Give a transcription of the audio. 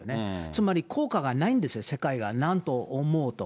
つまり効果がないんですよ、世界がなんと思おうと。